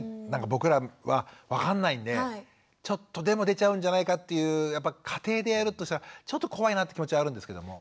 僕らは分かんないんでちょっとでも出ちゃうんじゃないかっていうやっぱ家庭でやるとしたらちょっと怖いなって気持ちはあるんですけれども。